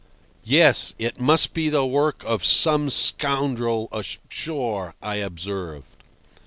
"Yes, it must be the work of some scoundrel ashore," I observed.